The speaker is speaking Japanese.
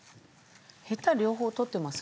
ヘタ両方取ってます？